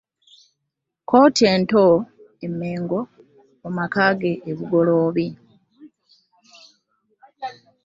Kkooti ento e Mmengo, mu makaage e Bugoloobi